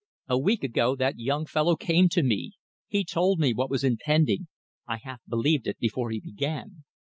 "A week ago that young fellow came to me. He told me what was impending. I half believed it before he began.